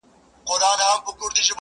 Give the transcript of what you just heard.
• اوپر هر میدان کامیابه پر دښمن سې,